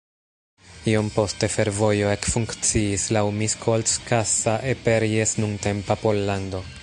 Iom poste fervojo ekfunkciis laŭ Miskolc-Kassa-Eperjes-nuntempa Pollando.